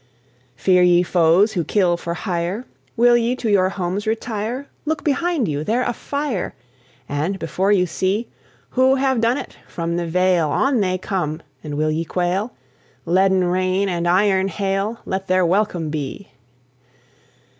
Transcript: Fear ye foes who kill for hire? Will ye to your homes retire? Look behind you! they're afire! And, before you, see Who have done it! From the vale On they come! And will ye quail? Leaden rain and iron hail Let their welcome be!